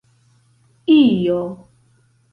io